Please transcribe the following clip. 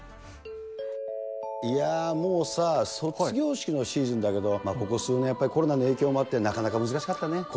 いやー、もうさ、卒業式のシーズンだけど、ここ数年、やっぱり、コロナの影響もあって、なかなか難しかったね。